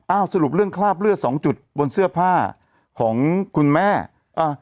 สรุปเรื่องคราบเลือดสองจุดบนเสื้อผ้าของคุณแม่อ่า